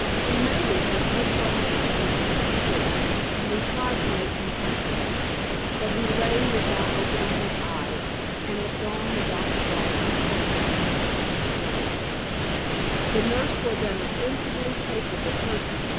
We made it as much like a sick room as we could, and we tried to make him comfortable. But he lay without opening his eyes, and at dawn the doctor brought a consultant and a trained nurse. The nurse was an offensively capable person.